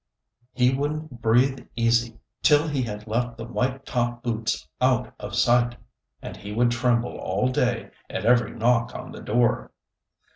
He wouldn't breathe easy till he had left the white top boots out of sight; and he would tremble all day at every knock on the door.